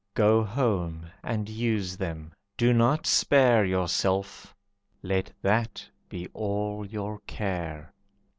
Go home and use them; do not spare Yourself; let that be all your care.